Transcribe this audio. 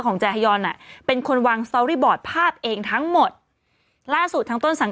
ของแจฮยอนน่ะเป็นคนวางภาพเองทั้งหมดล่าสุดทั้งต้นสัง